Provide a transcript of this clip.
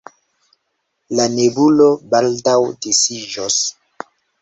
La nebulo baldaŭ disiĝos.